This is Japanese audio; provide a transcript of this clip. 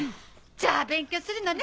じゃあ勉強するのね！